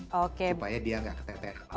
supaya dia nggak ketetekan